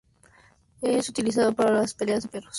Es utilizado para las peleas de perros.